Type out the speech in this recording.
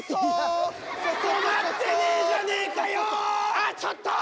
ああちょっと！